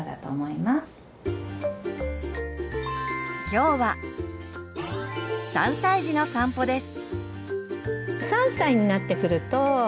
今日は３歳児の散歩です。